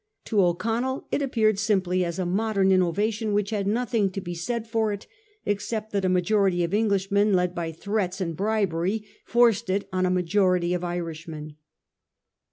To O'Connell it appeared simply as a modem innovation which had nothing to be said for it except that a majority of Englishmen had by threats and bribery forced it on a majority of Irishmen.